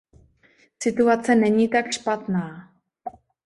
Situace není tak špatná.